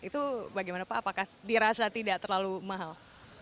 itu bagaimana pak apakah dirasa tidak terlalu mahal